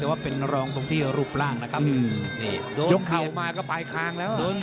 เด็กดองเหมือนกันก็ครับ